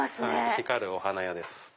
光るお花屋です。